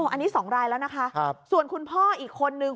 อันนี้๒รายแล้วนะคะส่วนคุณพ่ออีกคนนึง